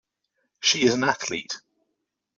She is an Athlete.